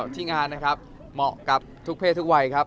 ที่งานนะครับเหมาะกับทุกเพศทุกวัยครับ